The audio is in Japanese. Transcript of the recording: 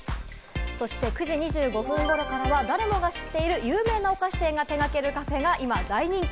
そして９時２５分ごろからは誰もが知っている有名なお菓子店が手がける、カフェが今大人気！